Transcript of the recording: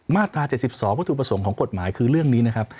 มาตรา๗๒วัตถุประสงค์ของกฎหมายคือเรื่องนี้นะครับ